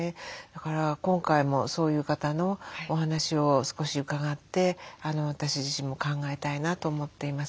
だから今回もそういう方のお話を少し伺って私自身も考えたいなと思っています。